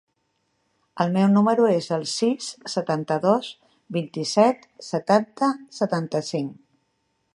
El meu número es el sis, setanta-dos, vint-i-set, setanta, setanta-cinc.